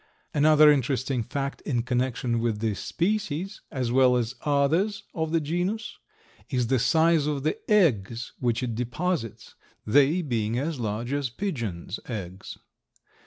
Another interesting fact in connection with this species (as well as others of the genus) is the size of the eggs which it deposits, they being as large as pigeons' eggs.